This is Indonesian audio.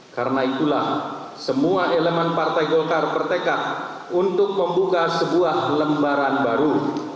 karena itulah semua elemen partai golkar bertekad untuk membuka sebuah lembaran baru